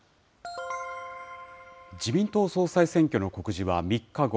自民党総裁選挙の告示は３日後。